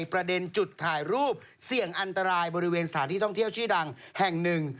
ประเด็นจุดถ่ายรูปเสี่ยงอันตรายบริเวณสถานที่ท่องเที่ยวชื่อดังแห่งหนึ่ง